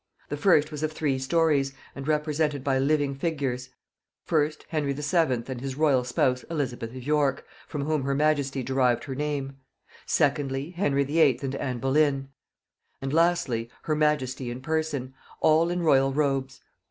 The first was of three stories, and represented by living figures: first, Henry VII. and his royal spouse Elizabeth of York, from whom her majesty derived her name; secondly, Henry VIII. and Anne Boleyn; and lastly, her majesty in person; all in royal robes.